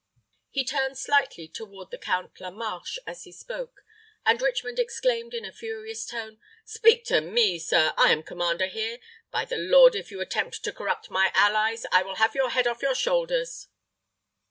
He turned slightly toward the Count La Marche as he spoke, and Richmond exclaimed, in a furious tone, "Speak to me, sir. I am commander here. By the Lord, if you attempt to corrupt my allies, I will have your head off your shoulders."